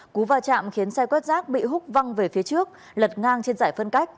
cú va chạm khiến xe quét rác bị hút văng về phía trước lật ngang trên giải phân cách